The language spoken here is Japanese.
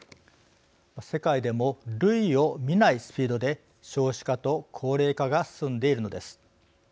世界でも類を見ないスピードで少子化と高齢化が進んでいるのです。